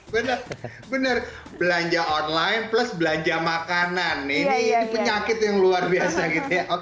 benar benar belanja online plus belanja makanan ini penyakit yang luar biasa gitu ya